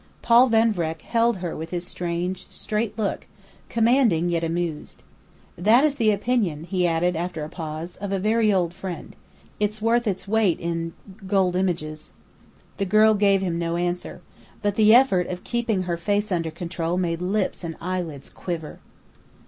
'" Paul Van Vreck held her with his strange, straight look, commanding, yet amused. "That is the opinion," he added after a pause, "of a very old friend. It's worth its weight in gold images." The girl gave him no answer. But the effort of keeping her face under control made lips and eyelids quiver.